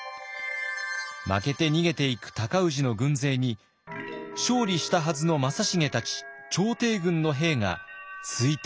負けて逃げていく尊氏の軍勢に勝利したはずの正成たち朝廷軍の兵がついて行くのです。